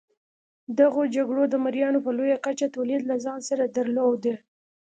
دغو جګړو د مریانو په لویه کچه تولید له ځان سره درلود.